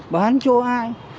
bán cho ai